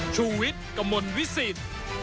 ชุวิตกระมวลวิสิต